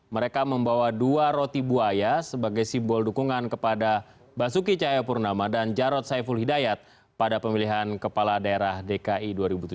mereka membawa dua roti buaya sebagai simbol dukungan kepada basuki cahayapurnama dan jarod saiful hidayat pada pemilihan kepala daerah dki dua ribu tujuh belas